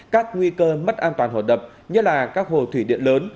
các nguy cơ mất an toàn hồ đập nhất là các hồ thủy điện lớn